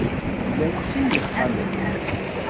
Ila sin n yixxamen.